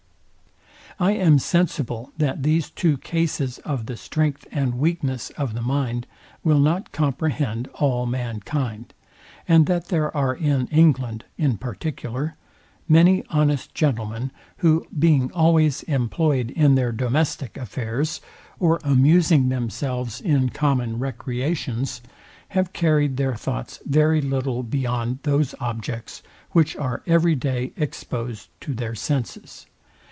I am sensible, that these two cases of the strength and weakness of the mind will not comprehend all mankind, and that there are in England, in particular, many honest gentlemen, who being always employed in their domestic affairs, or amusing themselves in common recreations, have carried their thoughts very little beyond those objects, which are every day exposed to their senses.